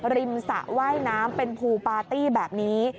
สระว่ายน้ำเป็นภูปาร์ตี้แบบนี้